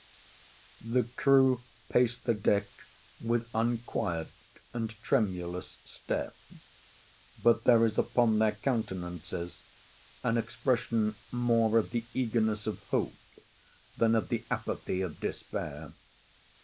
The crew pace the deck with unquiet and tremulous step; but there is upon their countenances an expression more of the eagerness of hope than of the apathy of despair.